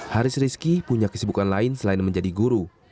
haris rizki punya kesibukan lain selain menjadi guru